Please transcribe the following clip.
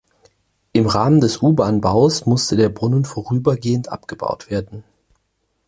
Im Rahmen des U-Bahn-Baus musste der Brunnen vorübergehend abgebaut werden.